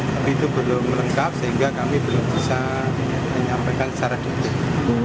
tapi itu belum lengkap sehingga kami belum bisa menyampaikan secara detail